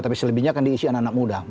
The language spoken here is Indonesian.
tapi selebihnya akan diisi anak anak muda